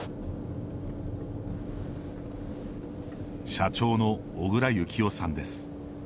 社長の小椋幸男さんです。